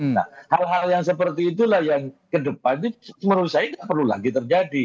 nah hal hal yang seperti itulah yang kedepannya menurut saya tidak perlu lagi terjadi